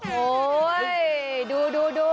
โอ้ยดู